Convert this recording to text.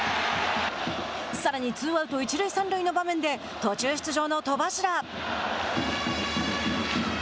さらに、ツーアウト一塁三塁の場面で途中出場の戸柱。